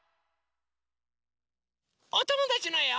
おともだちのえを。